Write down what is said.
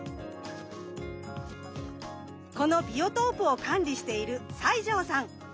このビオトープを管理している西城さん。